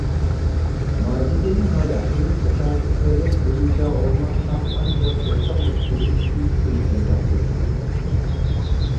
Macide’nin hayatı tesadüflerin oyuncağı olmaktan ancak orta mektebin ikinci sınıfında kurtuldu.